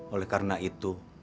oleh karena itu